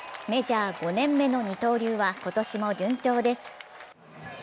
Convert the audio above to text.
メジャー５年目の二刀流は今年も順調です。